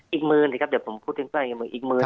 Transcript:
อีกมื้อนี่ครับเดี๋ยวผมพูดเรื่องก่อนอีกมื้อนี่